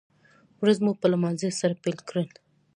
ورځ مو په لمانځه سره پیل کړئ